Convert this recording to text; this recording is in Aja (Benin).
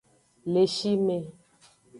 Le shi me.